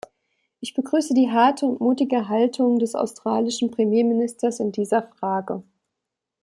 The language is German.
Ich begrüße die harte und mutige Haltung des australischen Premierministers in dieser Frage.